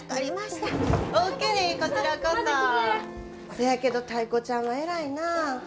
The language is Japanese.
せやけどタイ子ちゃんは偉いなあ。